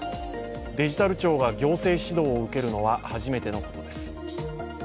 デジタル庁が行政指導を受けるのは初めてのことです。